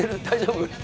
大丈夫？」